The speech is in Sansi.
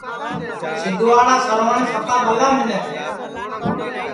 سیدھواڑا سروٹؔ سپا ٻلا منکھ ہے